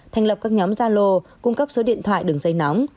thành lập các nhóm gia lô cung cấp số điện thoại đường dây nóng